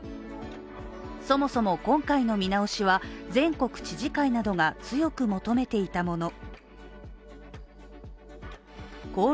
そもそも、今回の見直しは全国知事会などが強く求めていたもの。